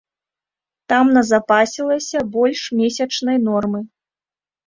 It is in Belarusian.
Там назапасілася больш месячнай нормы.